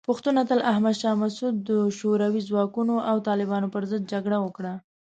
پښتون اتل احمد شاه مسعود د شوروي ځواکونو او طالبانو پر ضد جګړه وکړه.